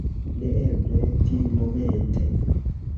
Neeble, tiumomente.